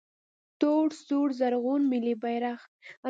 🇦🇫 تور سور زرغون ملي بیرغ